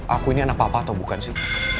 aku ini anak papa atau bukan sih